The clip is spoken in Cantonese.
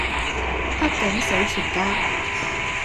黑警死全家